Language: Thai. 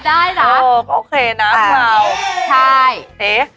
พอได้โอเคนะคุณแล้ว